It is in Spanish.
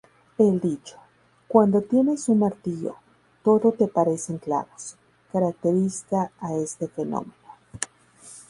El dicho: "Cuando tienes un martillo, todo te parecen clavos" caracteriza a este fenómeno.